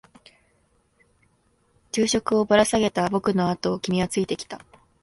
昼食をぶら下げた僕のあとを君はついてきた。